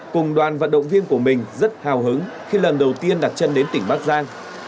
cùng đoàn vận động viên của mình rất hào hứng khi lần đầu tiên đặt chân đến tỉnh bắc giang